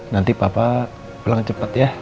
nanti papa pulang cepat ya